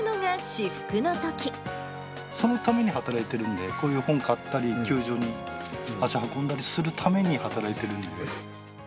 そのために働いてるんで、こういう本買ったり、球場に足運んだりするために働いているんで。